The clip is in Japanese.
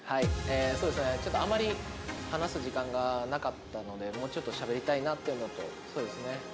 そうですねちょっとあんまり話す時間がなかったのでもうちょっとしゃべりたいなっていうのとそうですね。